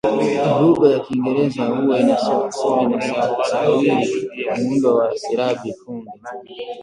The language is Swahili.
Lugha ya Kiingereza huwa inasawiri muundo wa silabi funge